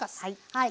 はい。